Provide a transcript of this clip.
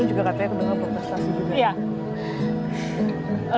s satu juga katanya kedua pemerintah stasiun juga